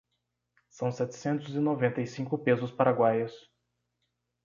São setecentos e noventa e cinco pesos paraguaios